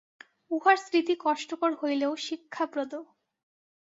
উহার স্মৃতি কষ্টকর হইলেও শিক্ষাপ্রদ।